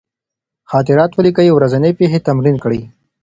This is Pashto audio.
خاطرات ولیکئ، ورځني پېښې تمرین کړئ.